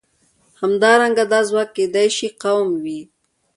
همدارنګه دا ځواک کېدای شي قوم وي.